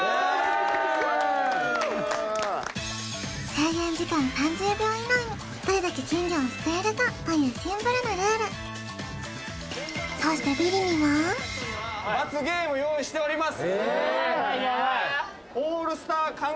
制限時間３０秒以内にどれだけ金魚をすくえるかというシンプルなルールそしてえっヤバいヤバい鳴らしてもらえます？